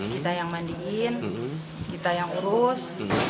kita yang mandingin kita yang urus